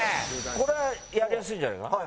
これはやりやすいんじゃねえか？